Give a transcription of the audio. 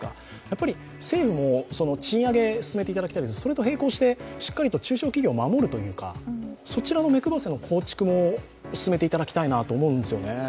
やっぱり政府も、賃上げ進めていただきたいですけれどもそれと同時に、しっかりと中小企業を守るというか、そちらも目配せも進めていただきたいと思うんですね。